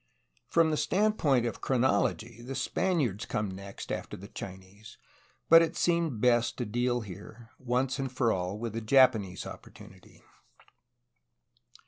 From the standpoint of chronology the Spaniards come next after the Chinese, but it has seemed best to deal here, once for all, with the Japanese opportunity.